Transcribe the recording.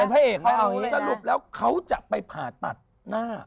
สรุปแล้วเขาจะไปผ่าตัดหน้า